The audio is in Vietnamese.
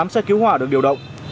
tám xe cứu hỏa được điều động